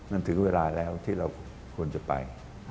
มันถึงเวลาแล้วที่เราควรจะไป